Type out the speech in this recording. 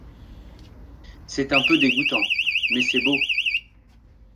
C’est un peu dégoûtant ! Mais c’est beau.